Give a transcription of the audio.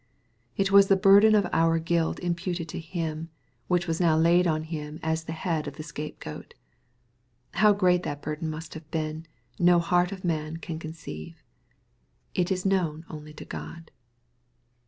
It was the burden of our guilt imputed to Him, which was now laid on Him, as on the head of the scape goat. How great that burden must have been, no heart of man can conceive. It is known only to Grod.